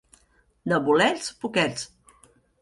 De bolets, poquets.